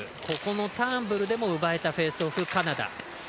ここのターンブルでも奪えたフェースオフ、カナダ。